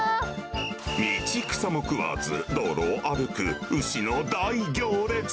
道草も食わず、道路を歩く牛の大行列。